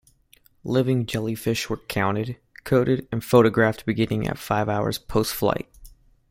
Living jellyfish were counted, coded, and photographed beginning at five hours postflight.